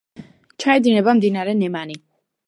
ჩაედინება მდინარე ნემანი.